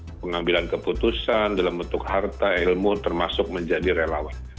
untuk pengambilan keputusan dalam bentuk harta ilmu termasuk menjadi relawan